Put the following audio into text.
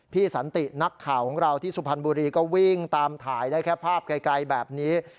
สันตินักข่าวของเราที่สุพรรณบุรีก็วิ่งตามถ่ายได้แค่ภาพไกลแบบนี้